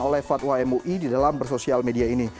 oleh fatwa mui di dalam bersosial media ini